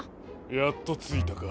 やっとついたか。